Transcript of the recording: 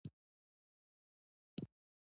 د واګې بندر له لارې میوې هند ته ځي.